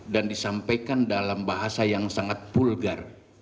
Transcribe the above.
dan disampaikan dalam bahasa yang sangat pulgar